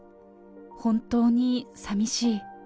本当にさみしい。